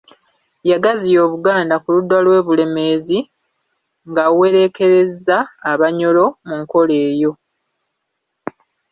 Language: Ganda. Yagaziya Obuganda ku ludda lw'e Bulemeezi ng'awereekerezza Abanyoro mu nkola eyo.